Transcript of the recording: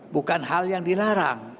bukan hal yang dilarang